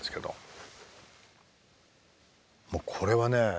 もうこれはね